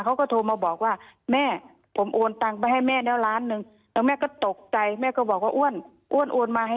เขาก็โอนมาเสร็จเขาโอนมา